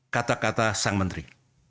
kata kata sang menteri